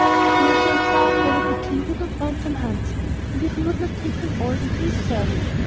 Here she enquired whether the King did not want some huntsmen, and if he would not take them all into his service.